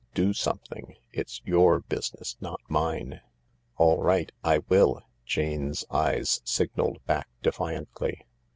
Do something. It's your business, not mine." "All right, I will," Jane's eyes signalled back defiantly.